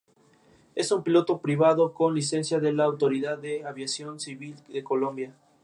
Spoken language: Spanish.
Era hijo de un mercader judío.